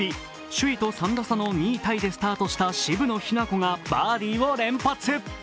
首位と３打差の２位タイでスタートした渋野日向子がバーディーを連発。